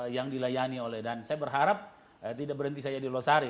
yang dilayani oleh dan saya berharap tidak berhenti saya di losari